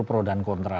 pro dan kontra